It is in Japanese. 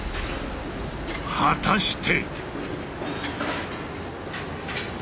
果たして。